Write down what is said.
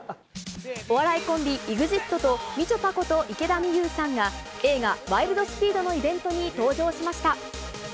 お笑いコンビ、ＥＸＩＴと、みちょぱこと池田美優さんが、映画、ワイルド・スピードのイベントに登場しました。